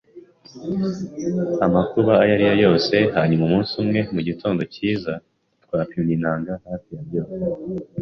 amakuba ayo ari yo yose; hanyuma, umunsi umwe, mugitondo cyiza, twapimye inanga, hafi ya byose